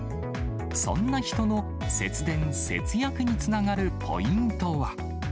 そんな人の節電・節約につながるポイントは。